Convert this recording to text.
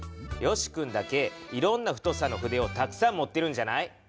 よし君だけいろんな太さの筆をたくさん持ってるんじゃない？